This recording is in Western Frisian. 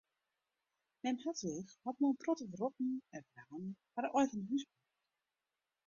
Mem Hedwig hat mei in protte wrotten en wramen har eigen hûs boud.